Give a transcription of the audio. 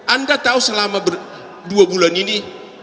anda tahu selama dua bulan ini